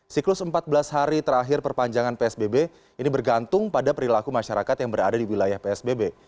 siklus empat belas hari terakhir perpanjangan psbb ini bergantung pada perilaku masyarakat yang berada di wilayah psbb